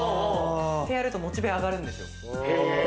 なるとモチベ上がるんですよ。